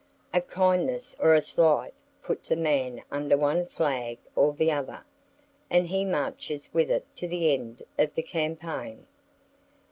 A kindness or a slight puts a man under one flag or the other, and he marches with it to the end of the campaign.